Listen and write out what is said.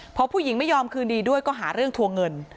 พอผู้หญิงไม่ยอมคืนดีด้วยก็หาเรื่องทวงเงิน